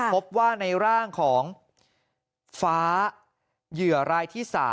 พบว่าในร่างของฟ้าเหยื่อรายที่๓